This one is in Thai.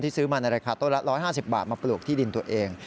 ซื้อมาในราคาต้นละ๑๕๐บาทมาปลูกที่ดินตัวเอง